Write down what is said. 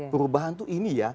perubahan tuh ini ya